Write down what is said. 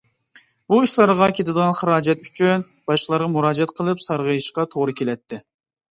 بۇ ئىشلارغا كېتىدىغان خىراجەت ئۈچۈن باشقىلارغا مۇراجىئەت قىلىپ سارغىيىشقا توغرا كېلەتتى.